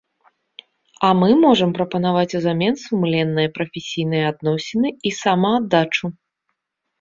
А мы можам прапанаваць узамен сумленныя прафесійныя адносіны і самааддачу.